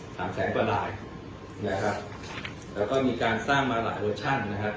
สามแสนกว่าลายนะครับแล้วก็มีการสร้างมาหลายเวอร์ชั่นนะครับ